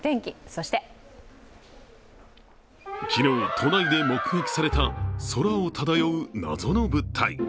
そして昨日、都内で目撃された空を漂う謎の物体。